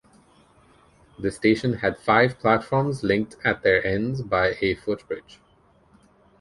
The station had five platforms linked at their ends and by a footbridge.